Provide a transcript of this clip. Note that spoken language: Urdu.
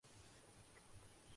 یہ بچگانہ مذاق تھا